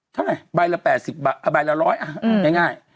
เท่าไหนใบละ๘๐บาทอ่ะใบละ๑๐๐อ่ะง่าย